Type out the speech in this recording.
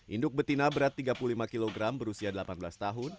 induk betina berat tiga puluh lima kg berusia delapan belas tahun